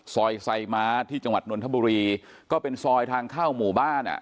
ซอยไซม้าที่จังหวัดนนทบุรีก็เป็นซอยทางเข้าหมู่บ้านอ่ะ